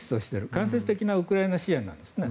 間接的なウクライナ支援なんですね。